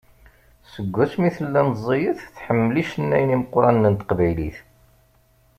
Seg wasmi tella meẓẓiyet, tḥemmel icennayen imeqqranen n teqbaylit.